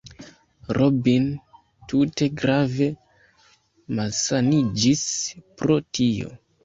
Robin tute grave malsaniĝis pro tio.